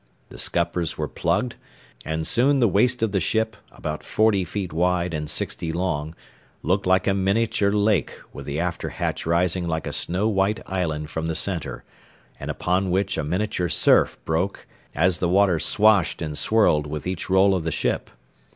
The scuppers were plugged, and soon the waist of the ship, about forty feet wide and sixty long, looked like a miniature lake with the after hatch rising like a snow white island from the centre, and upon which a miniature surf broke as the water swashed and swirled with each roll of the ship.